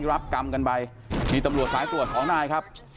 รับกรรมกันไปมีตำรวจสายตรวจสองนายครับ